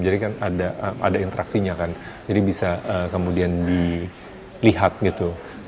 jadi kan ada interaksinya kan jadi bisa kemudian dilihat gitu